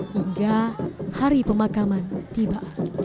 hingga hari pemakaman tiba